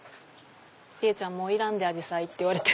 「理恵ちゃんもういらんでアジサイ」って言われて。